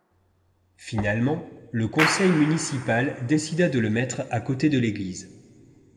Finalement le conseil municipal décida de le mettre à côté de l'église.